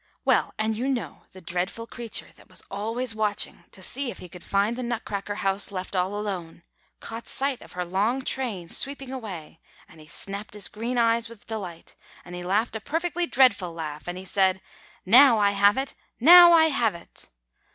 Well, and you know the dreadful creature that was always watching to see if he could find the Nutcracker house left all alone, caught sight of her long train sweeping away, and he snapped his green eyes with delight and he laughed a perfectly dreadful laugh, and he said, 'Now I have it, now I have it!